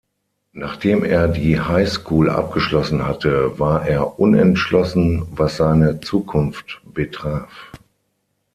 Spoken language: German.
Nachdem er die High School abgeschlossen hatte, war er unentschlossen, was seine Zukunft betraf.